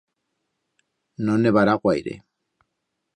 No nevará guaire